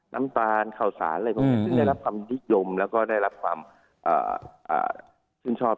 น้ำตาลข่าวสารอะไรพวกนี้ซึ่งได้รับความนิยมแล้วก็ได้รับความชื่นชอบ